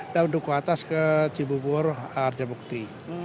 dan duku atas ke cibubur arja bukti